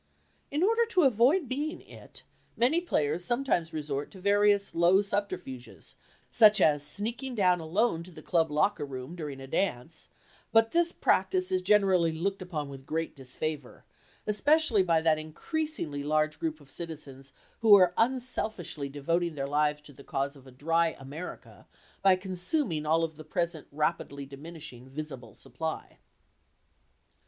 In order to avoid being "It," many players sometimes resort to various low subterfuges, such as sneaking down alone to the club locker room during a dance, but this practise is generally looked upon with great disfavor—especially by that increasingly large group of citizens who are unselfishly devoting their lives to the cause of a "dry America" by consuming all of the present rapidly diminishing visible supply.